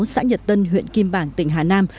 xã nhật tân huyện kim bảng tỉnh hà nam